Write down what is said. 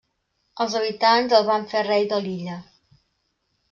Els habitants el van fer rei de l'illa.